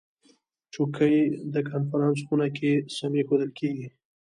چوکۍ د کنفرانس خونه کې سمې ایښودل کېږي.